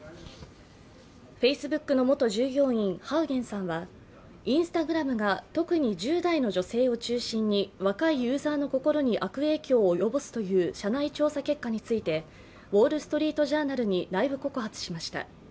Ｆａｃｅｂｏｏｋの元従業員ハウゲンさんはＩｎｓｔａｇｒａｍが特に１０代の女性を中心に若いユーザーの心に悪影響を及ぼすという社内調査結果について、「ウォールストリート・ジャーナル」に内部告発しました。